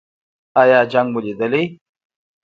ایا جنګ مو لیدلی؟